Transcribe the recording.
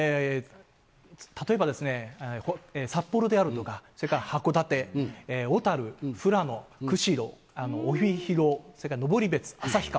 例えばですね、札幌であるとか、それから函館、小樽、富良野、釧路、帯広、それから登別、旭川。